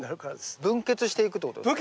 分けつしていくってことですか？